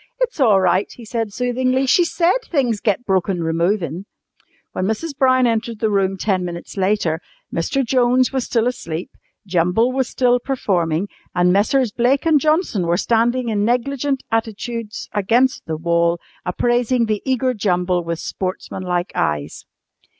"It's all right," he said soothingly. "She said things get broken removin'." When Mrs. Brown entered the room ten minutes later, Mr. Jones was still asleep, Jumble was still performing, and Messrs. Blake and Johnson were standing in negligent attitudes against the wall appraising the eager Jumble with sportsmanlike eyes.